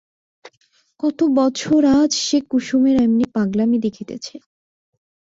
কত বছর আজ সে কুসুমের এমনি পাগলামি দেখিতেছে।